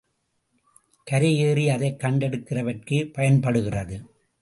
கரை ஏறி அதைக் கண்டெடுக்கிறவர்க்கே பயன்படுகிறது.